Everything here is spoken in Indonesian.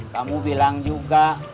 kamu bilang juga